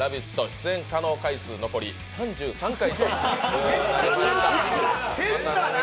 出演回数残り３３回。